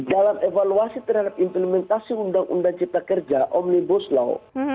dalam evaluasi terhadap implementasi undang undang cipta kerja omnibus law